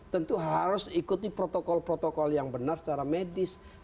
tentu harus ikuti protokol protokol yang benar secara medis